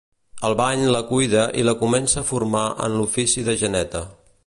Albany la cuida i la comença a formar en l'ofici de geneta.